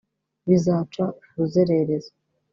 bizaca ubuzererezi